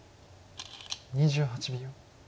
２８秒。